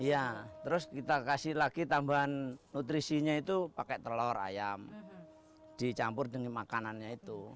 iya terus kita kasih lagi tambahan nutrisinya itu pakai telur ayam dicampur dengan makanannya itu